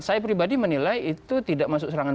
saya pribadi menilai itu tidak masuk serangan